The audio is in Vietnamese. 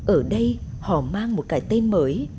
ở đây họ mang một cái tên mới